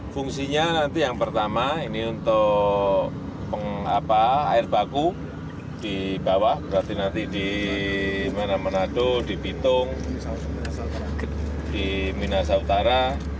fungsinya nanti yang pertama ini untuk air baku di bawah berarti nanti di manado di bitung di minahasa utara